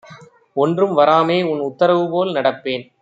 ஒன்றும் வராமேஉன் உத்தரவு போல்நடப்பேன்!